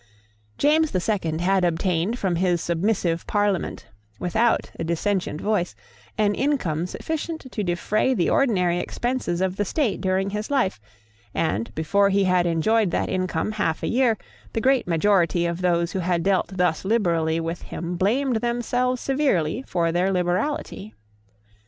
James the Second had obtained from his submissive Parliament, without a dissentient voice, an income sufficient to defray the ordinary expenses of the state during his life; and, before he had enjoyed that income half a year, the great majority of those who had dealt thus liberally with him blamed themselves severely for their liberality.